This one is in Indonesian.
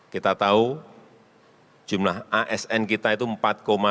kita tahu jumlah asn kita itu rp empat dua ratus